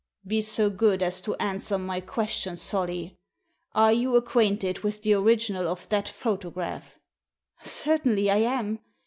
"Be so good as to answer my question, Solly. Are you acquainted with the original of that photo graph?" "Certainly I am.